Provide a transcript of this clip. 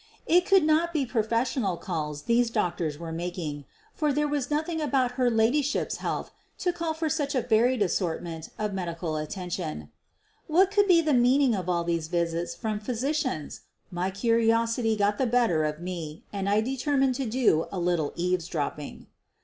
It could not be professional calls these doctors were making, for there was nothing about her ladyship's health to call for such a varied assortment of medical atten tion. What could be the meaning of all these visits from physicians? My curiosity got the better of me and I determined to do a little eavesdropping.